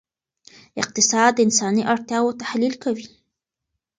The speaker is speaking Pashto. اقتصاد د انساني اړتیاوو تحلیل کوي.